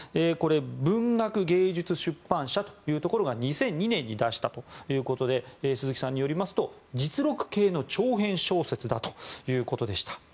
文学芸術出版社というところが２００２年に出したということで鈴木さんによりますと実録系の長編小説だということでした。